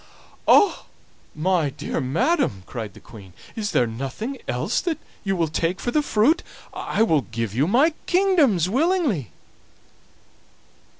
"'Ah! my dear madam,' cried the Queen, 'is there nothing else that you will take for the fruit? I will give you my kingdoms willingly.